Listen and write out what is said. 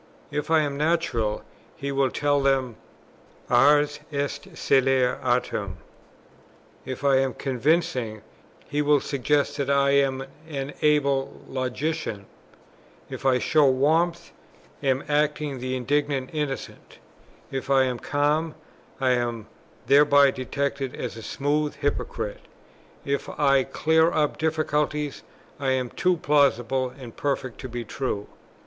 If I am natural, he will tell them "Ars est celare artem;" if I am convincing, he will suggest that I am an able logician; if I show warmth, I am acting the indignant innocent; if I am calm, I am thereby detected as a smooth hypocrite; if I clear up difficulties, I am too plausible and perfect to be true.